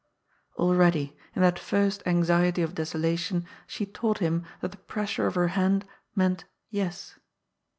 Already, in that first anxiety of desolation, she taught him that the pressure of her hand meant " Yes."